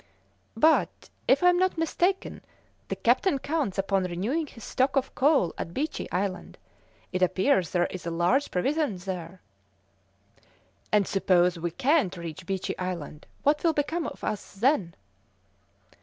"But, if I am not mistaken, the captain counts upon renewing his stock of coal at Beechey Island. It appears there is a large provision there." "And suppose we can't reach Beechey Island, what will become of us then?"